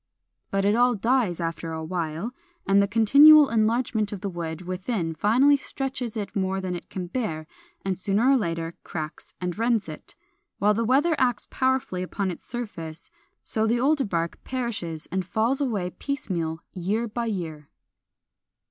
But it all dies after a while; and the continual enlargement of the wood within finally stretches it more than it can bear, and sooner or later cracks and rends it, while the weather acts powerfully upon its surface; so the older bark perishes and falls away piecemeal year by year.